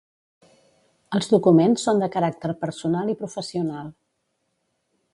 Els documents són de caràcter personal i professional.